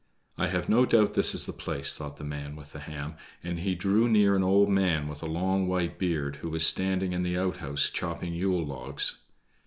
"I have no doubt this is the place," thought the man with the ham, and he drew near an old man with a long white beard who was standing in the outhouse chopping Yule logs.